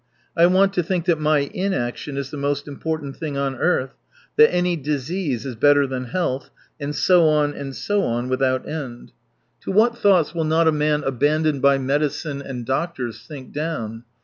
I want to think that my inaction is the most important thing on earth, that any " disease " is better than health, and so on and so on without end. To what 213 thoughts will not a man abandoned by medicine and doctors sink down